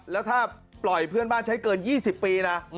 แล้วถ้าปล่อยเพื่อนบ้านใช้เกิน๒๐ปีนะ